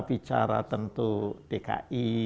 bicara tentu dki